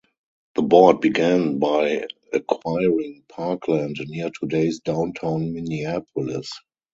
The board began by acquiring park land near today's downtown Minneapolis.